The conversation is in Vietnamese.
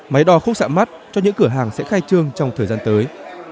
máy đo khúc xạ mắt cho những cửa hàng sẽ khai trương trong thời gian tới